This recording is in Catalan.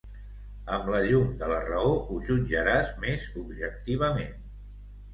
Amb la llum de la raó ho jutjaràs més objectivament.